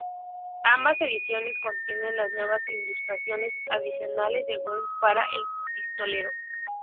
Ambas ediciones contienen las nuevas ilustraciones adicionales de Whelan para "El Pistolero".